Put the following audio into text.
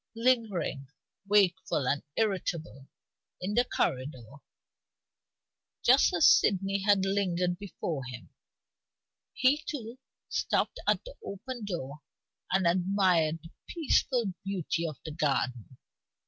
Lingering, wakeful and irritable, in the corridor (just as Sydney had lingered before him), he too stopped at the open door and admired the peaceful beauty of the garden.